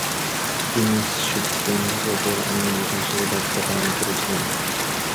তিনি সুপ্রিম কোর্টের আইনজীবী হিসাবে দায়িত্ব পালন করেছিলেন।